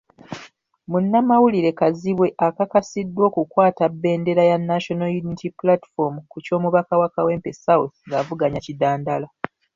Munnamawulire Kazibwe akakasiddwa okukwata bbendera ya National Unity Platform ku ky'omubaka wa Kawempe South ng'avuganya Kidandala.